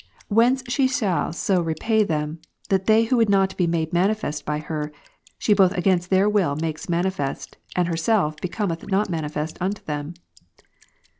Whence she shall so repay them, that they who would not be made manifest by her, she both against their will makes manifest, and herself becometh not manifest unto them.